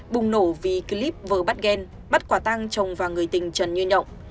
bùng nổ vì clip vỡ bắt ghen bắt quả tăng chồng và người tình trần như nhộng